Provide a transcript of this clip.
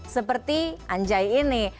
seperti anjay ini